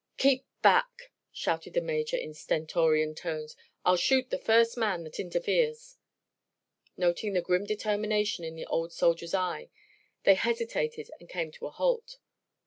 "Keep back!" shouted the Major, in stentorian tones, "I'll shoot the first man that interferes." Noting the grim determination in the old soldier's eye, they hesitated and came to a halt.